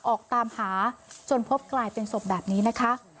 ออกตามหาจนพบกลายเป็นศพแบบนี้นะคะ